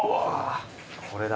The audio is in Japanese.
これだ。